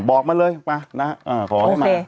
บอกมาเลยมานะขอให้มาโอเค